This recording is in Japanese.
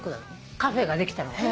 カフェができたのが。